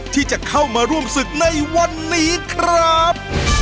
ที่จะเข้ามาร่วมศึกในวันนี้ครับ